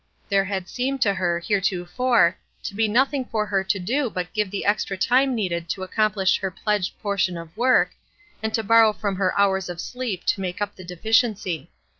There had seemed to her, heretofore, to be nothing for her to do but give the extra time needed to accomplish her pledged portion of work, and to borrow from her hours of sleep to make up the deficiency.